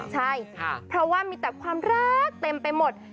ใช่เพราะว่ามีแต่ความรักเต็มไปหมด